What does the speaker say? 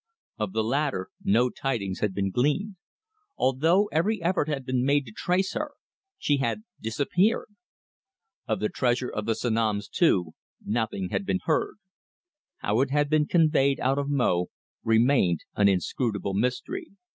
Of the latter, no tidings had been gleaned. Although every effort had been made to trace her, she had disappeared. Of the treasure of the Sanoms, too, nothing had been heard. How it had been conveyed out of Mo remained an inscrutable mystery.